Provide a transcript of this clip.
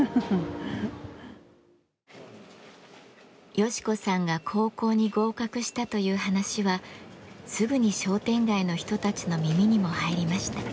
ヨシ子さんが高校に合格したという話はすぐに商店街の人たちの耳にも入りました。